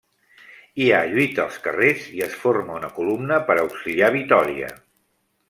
Hi ha lluita als carrers i es forma una columna per a auxiliar Vitòria.